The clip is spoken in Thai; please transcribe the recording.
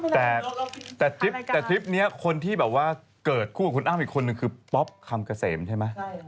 แต่ทริปทริปนี้คนที่แบบว่าเกิดคู่กับคุณอ้ำอีกคนนึงคือป๊อปคำเกษมใช่ไหม